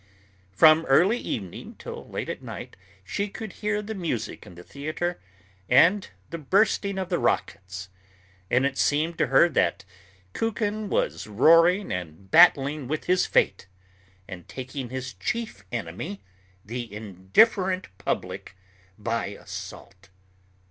From early evening till late at night she could hear the music in the theatre and the bursting of the rockets; and it seemed to her that Kukin was roaring and battling with his fate and taking his chief enemy, the indifferent public, by assault.